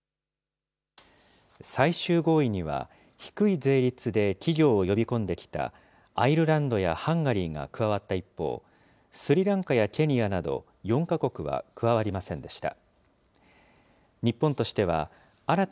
最終合意には、低い税率で企業を呼び込んできた、アイルランドやハンガリーが加わった一方、スリランカやケニアなど４か国は加わりませんでした。